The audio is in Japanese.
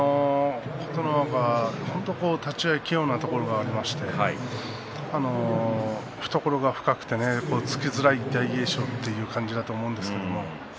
琴ノ若は本当に立ち合い一気のところがありまして懐が深くて突きづらい大栄翔という感じだと思います。